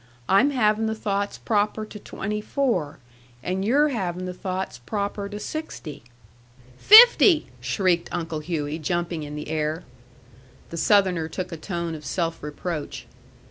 I'm havin' the thoughts proper to twenty four, and you're havin' the thoughts proper to sixty." "Fifty!" shrieked Uncle Hughey, jumping in the air. The Southerner took a tone of self reproach.